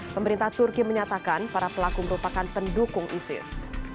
pemerintah turki menyatakan para pelaku merupakan pendukung isis